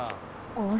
あれ？